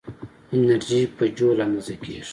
انرژي په جول اندازه کېږي.